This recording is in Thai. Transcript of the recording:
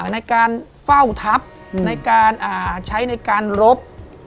ในการเฝ้าทัพใช้ในการรบ